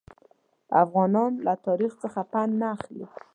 افغانان له تاریخ څخه پند نه اخلي.